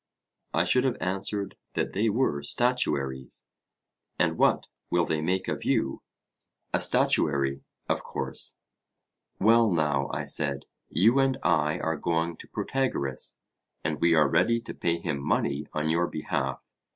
I should have answered, that they were statuaries. And what will they make of you? A statuary, of course. Well now, I said, you and I are going to Protagoras, and we are ready to pay him money on your behalf.